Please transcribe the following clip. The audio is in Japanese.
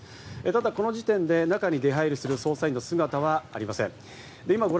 ただ、この時点で中にで入りする捜査員の姿はありません。